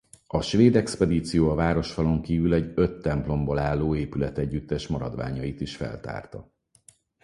A svéd expedíció a városfalon kívül egy öt templomból álló épületegyüttes maradványait is feltárta.